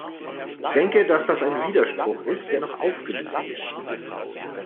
Ich denke, dass das ein Widerspruch ist, der noch aufgelöst werden muss.